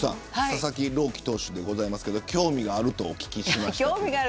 佐々木朗希投手でございますが興味があるとお聞きしました。